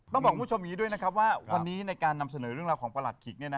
ต้องบอกคุณผู้ชมอย่างนี้ด้วยนะครับว่าวันนี้ในการนำเสนอเรื่องราวของประหลัดขิก